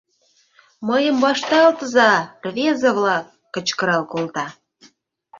— Мыйым вашталтыза-а, рвезе-влак! — кычкырал колта.